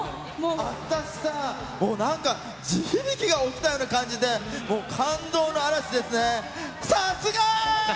私さ、もうなんか地響きが起きたような感じで、もう感動の嵐ですね。